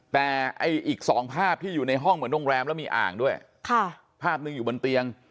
แต่ไอ้อีกสองภาพที่อยู่ในห้องเหมือนโรงแรมแล้วมีอ่างด้วยภาพหนึ่งอยู่บนเตียง